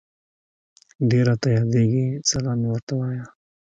ډير راته ياديږي سلام مي ورته وايه